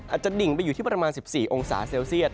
จะดิ่งไปอยู่ที่ประมาณ๑๔องศาเซลเซียต